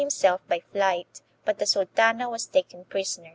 himself by flight, but the sultana was taken prisoner.